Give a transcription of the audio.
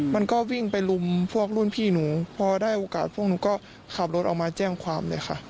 มันก็วิ่งไปลุมพวกรุ่นพี่หนูพอได้โอกาสพวกหนูก็ขับรถออกมาแจ้งความเลยค่ะ